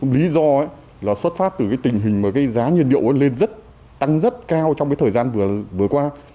lý do là xuất phát từ tình hình giá nhiên liệu lên tăng rất cao trong thời gian vừa qua